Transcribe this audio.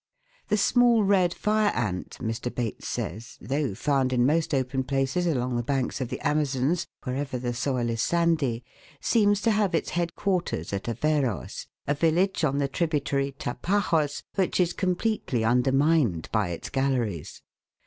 The small red fire ant, Mr. Bates says, though found in most open places along the banks of the Amazons, wherever the soil is sandy, seems to have its head quarters at Aveyros, a village on the tributary Tapajos, which is completely undermined by its galleries.